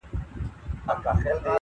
ډېر مو په لیلا پسي تڼاکي سولولي دي -